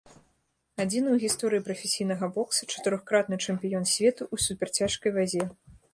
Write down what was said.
Адзіны ў гісторыі прафесійнага бокса чатырохкратны чэмпіён свету ў суперцяжкай вазе.